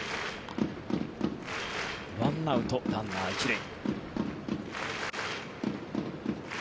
１アウト、ランナー１塁。